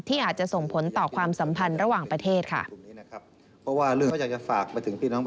อาจจะส่งผลต่อความสัมพันธ์ระหว่างประเทศค่ะ